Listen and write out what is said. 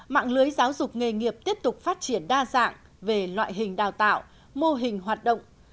mạng lưới giáo dục nghề nghiệp tiếp tục phát triển đa dạng về loại hình đào tạo mô hình hoạt động